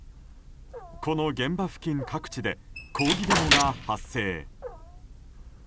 この現場付近各地で抗議デモが発生。